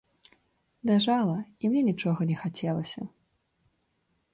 Ляжала, і мне нічога не хацелася.